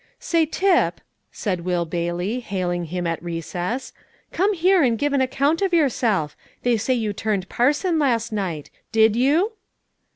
"Say, Tip," said Will Bailey, hailing him at recess, "come here and give an account of yourself. They say you turned parson last night; did you?"